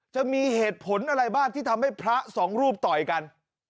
จะมีเหตุผลอะไรบ้างที่ทำให้พระสองรูปต่อยกัน